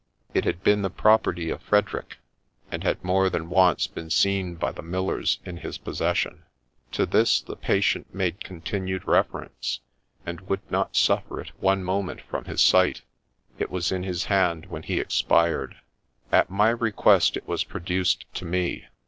It had been the pro perty of Frederick, and had more than once been seen by the Miillers in his possession. To this the patient made continued reference, and would not suffer it one moment from his sight : it was in his hand when he expired. At my request it was pro duced to me.